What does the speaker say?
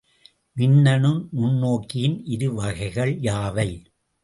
மின்னணு நுண்ணோக்கியின் இரு வகைகள் யாவை?